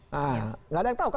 nah nggak ada yang tahu kan